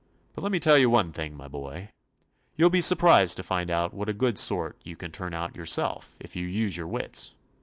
But let mc tell you one thing, my boy, you '11 be surprised to find out what a good sort you can turn out yourself if you use your wits.